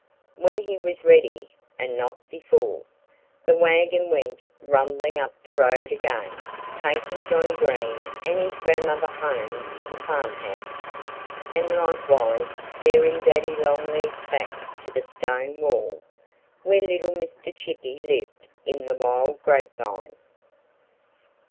When he was ready (and not before) the wagon went rumbling up the road again, taking Johnnie Green and his grandmother home to the farmhouse and likewise bearing Daddy Longlegs back to the stone wall, where little Mr. Chippy lived in the wild grapevine.